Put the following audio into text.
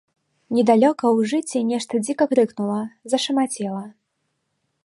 Недалёка ў жыце нешта дзіка крыкнула, зашамацела.